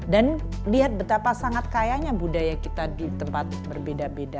dan lihat betapa sangat kayanya budaya kita di tempat berbeda beda